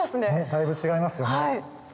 だいぶ違いますよね。